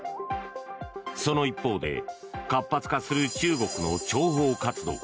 その一方で活発化する中国の諜報活動。